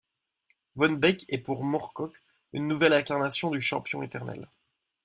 Von Bek est pour Moorcock une nouvelle incarnation du champion éternel.